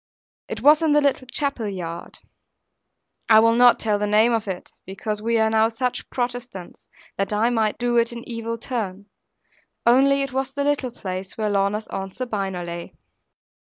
It was in the little chapel yard; I will not tell the name of it; because we are now such Protestants, that I might do it an evil turn; only it was the little place where Lorna's Aunt Sabina lay.